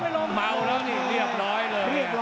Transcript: เมาแล้วนี่เรียบร้อยเลย